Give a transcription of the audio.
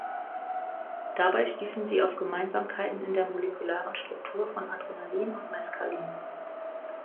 Dabei stießen Sie auf Gemeinsamkeiten in der molekularen Struktur von Adrenalin und Meskalin.